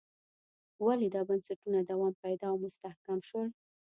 ولې دا بنسټونه دوام پیدا او مستحکم شول.